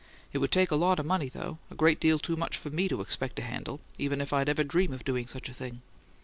It would take a lot of money, though; a great deal too much for me to expect to handle even if I'd ever dream of doing such a thing."